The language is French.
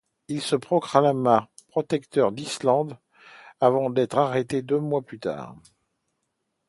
Il se proclama protecteur d'Islande le avant d'être arrêté deux mois plus tard.